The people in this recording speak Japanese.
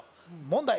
問題